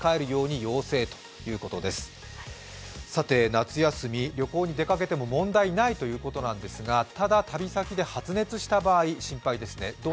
夏休み旅行に出かけても問題ないということなんですがただ、旅先で発熱した場合心配ですね。